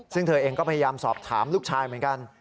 ซึ่งเธอเองก็พยายามสอบถามลูกชายเหมือนกัน